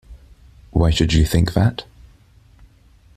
Why should you think that?